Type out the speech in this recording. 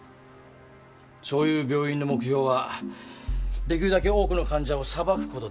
そういう病院の目標はできるだけ多くの患者をさばくことです